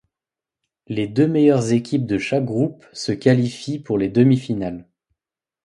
Les deux meilleures équipes de chaque groupe se qualifient pour les demi-finales.